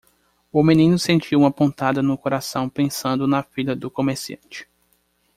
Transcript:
O menino sentiu uma pontada no coração pensando na filha do comerciante.